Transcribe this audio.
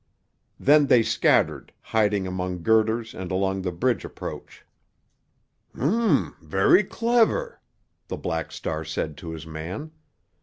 Then they scattered, hiding among girders and along the bridge approach. "Um! Very clever!" the Black Star said to his man.